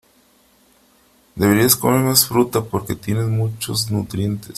Deberías comer más fruta porque tienen muchos nutrientes.